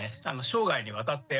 生涯にわたって。